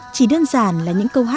chỉ đơn giản là những câu hát